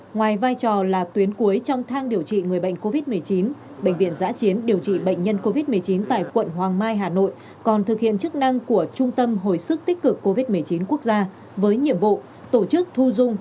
ngoài vai trò là tuyến cuối trong thang điều trị người bệnh covid một mươi chín bệnh viện giã chiến điều trị bệnh nhân covid một mươi chín tại quận hoàng mai hà nội còn thực hiện chức năng của trung tâm hồi sức tích cực covid một mươi chín quốc gia với nhiệm vụ tổ chức thu dung